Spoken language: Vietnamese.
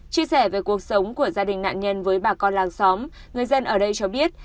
chia sẻ về cuộc sống của gia đình nạn nhân với bà con làng xóm người dân ở đây cho biết